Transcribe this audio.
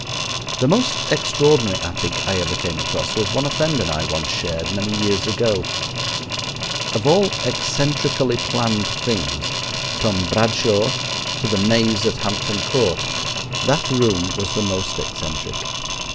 The most extraordinary attic I ever came across was one a friend and I once shared many years ago. Of all eccentrically planned things, from Bradshaw to the maze at Hampton Court, that room was the most eccentric.